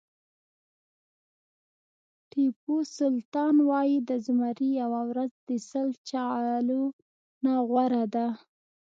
ټيپو سلطان وایي د زمري یوه ورځ د سل چغالو نه غوره ده.